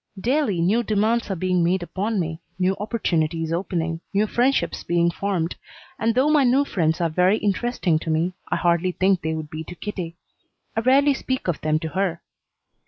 Daily new demands are being made upon me, new opportunities opening, new friendships being formed, and though my new friends are very interesting to me, I hardly think they would be to Kitty. I rarely speak of them to her.